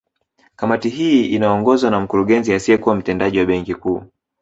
Kamati hii inaongozwa na Mkurugenzi asiyekuwa Mtendaji wa Benki Kuu